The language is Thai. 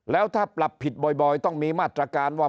แล้วถ้าปรับผิดบ่อยต้องมีมาตรการว่า